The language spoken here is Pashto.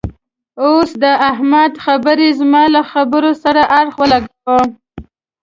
اوس د احمد خبرې زما له خبرې سره اړخ و لګاوو.